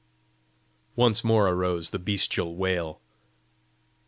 Once more arose the bestial wail.